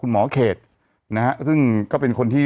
หมอเขตนะฮะซึ่งก็เป็นคนที่